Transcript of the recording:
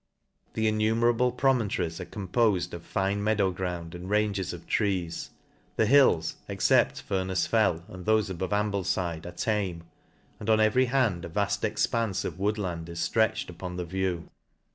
The innumerable promontories are com pofed of fine meadow ground, and ranges of trees 3 "the hills, except Furnefs Fell, and thofe above Am ihlefide, are tame; and on every hand a vaft expanfe of wood land is ftretched upon the view.